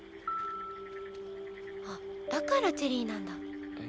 あだからチェリーなんだ。え？